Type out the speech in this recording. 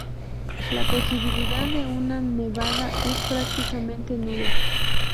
La posibilidad de una nevada es prácticamente nula.